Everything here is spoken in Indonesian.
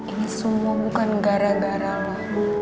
ini semua bukan gara gara lah